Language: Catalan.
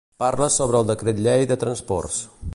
Parla sobre el decret llei de transports.